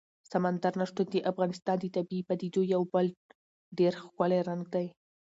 سمندر نه شتون د افغانستان د طبیعي پدیدو یو بل ډېر ښکلی رنګ دی.